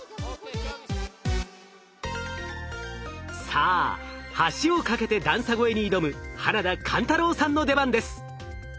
さあ橋を架けて段差越えに挑む花田勘太郎さんの出番です。